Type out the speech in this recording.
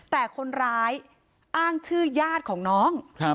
แต่คนร้ายอ้างชื่อญาติของน้อง